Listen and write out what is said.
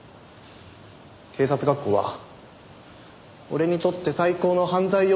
警察学校は俺にとって最高の犯罪養成学校だったよ。